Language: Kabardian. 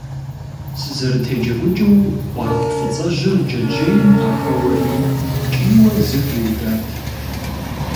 Сызэрытеджэгукӏыу, къуаргъ фӏыцӏэжьыр джэджьейм къахэуэри, кӏийуэ зы хиудат.